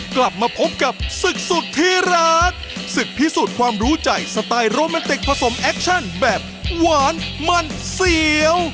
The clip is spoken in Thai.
กลับมาพบกับศึกสุดที่รักศึกพิสูจน์ความรู้ใจสไตล์โรแมนติกผสมแอคชั่นแบบหวานมันเสียว